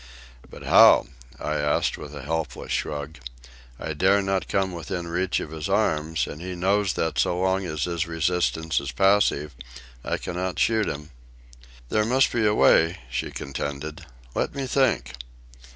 "But how?" I asked, with a helpless shrug. "I dare not come within reach of his arms, and he knows that so long as his resistance is passive I cannot shoot him." "There must be some way," she contended. "Let me think."